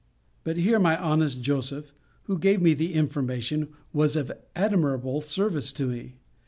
But here my honest Joseph, who gave me the information, was of admirable service to me.